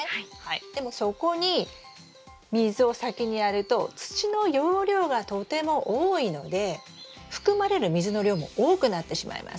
でもそこに水を先にやると土の容量がとても多いので含まれる水の量も多くなってしまいます。